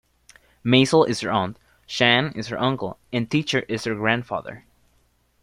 Mazal is her aunt, Shann is her uncle, and Teacher is her grandfather.